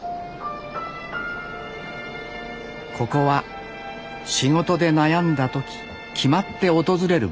ここは仕事で悩んだ時決まって訪れる場所